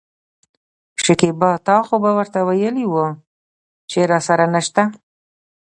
شکيبا : تا خو به ورته وويلي وو چې راسره نشته.